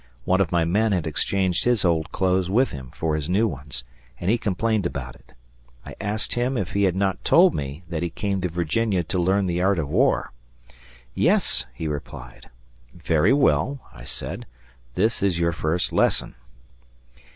One of my men had exchanged his old clothes with him for his new ones, and he complained about it. I asked him if he had not told me that he came to Virginia to learn the art of war. "Yes," he replied. "Very well," I said, "this is your first lesson."